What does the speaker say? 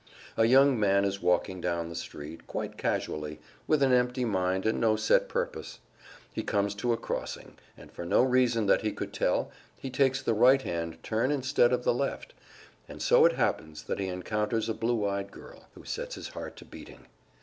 A young man is walking down the street, quite casually, with an empty mind and no set purpose; he comes to a crossing, and for no reason that he could tell he takes the right hand turn instead of the left; and so it happens that he encounters a blue eyed girl, who sets his heart to beating.